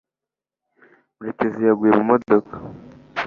murekezi yaguye mu modoka